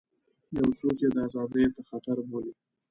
یو څوک یې ازادیو ته خطر بولي.